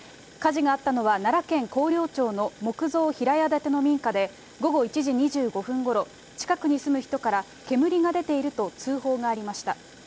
火事があったのは、奈良県広陵町の木造平屋建ての民家で、午後１時２５分ごろ、近くに住む人から煙が出ていると通報がありました。